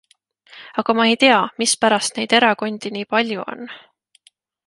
Aga ma ei tea, mispärast neid erakondi nii palju on.